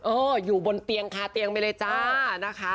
อยู่บนเตียงคาเตียงไปเลยจ้านะคะ